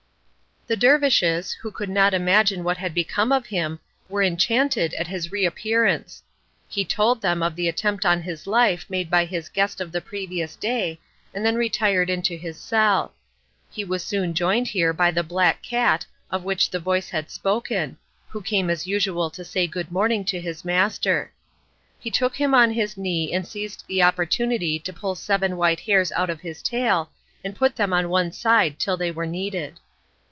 The dervishes, who could not imagine what had become of him, were enchanted at his reappearance. He told them of the attempt on his life made by his guest of the previous day, and then retired into his cell. He was soon joined here by the black cat of which the voice had spoken, who came as usual to say good morning to his master. He took him on his knee and seized the opportunity to pull seven white hairs out of his tail, and put them on one side till they were needed.